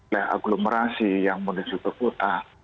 leh agglomerasi yang menuju ke kota